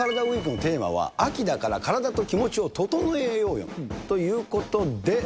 ＷＥＥＫのテーマは、秋だから体と気持ちをととのえようよということで。